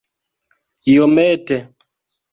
iomete